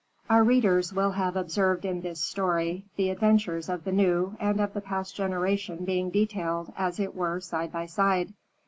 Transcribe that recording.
Our readers will have observed in this story, the adventures of the new and of the past generation being detailed, as it were, side by side.